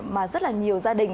mà rất là nhiều gia đình